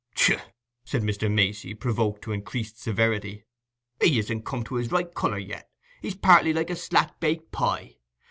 "Tchuh!" said Mr. Macey, provoked to increased severity, "he isn't come to his right colour yet: he's partly like a slack baked pie.